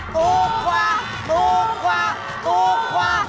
ถูกกว่า